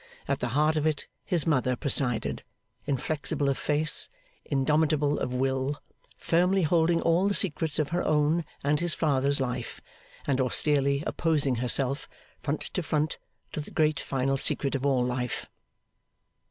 At the heart of it his mother presided, inflexible of face, indomitable of will, firmly holding all the secrets of her own and his father's life, and austerely opposing herself, front to front, to the great final secret of all life.